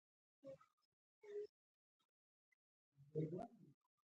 انسان حیران شي چې دوی په دغه وچه دښته کې څنګه ژوند کوي.